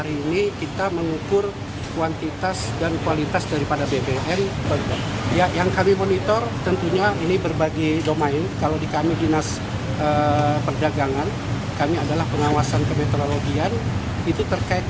ya memang seribu seperti itu